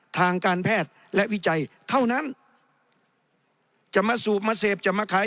ทางการแพทย์และวิจัยเท่านั้นจะมาสูบมาเสพจะมาขาย